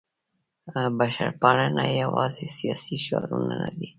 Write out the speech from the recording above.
بشرپالنه یوازې سیاسي شعارونه نه دي.